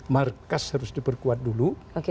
markas harus diperkuat dulu